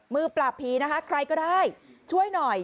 มือปราบผีนะคะใครก็ได้ช่วยหน่อย